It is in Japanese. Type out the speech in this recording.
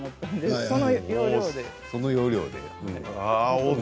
その要領で。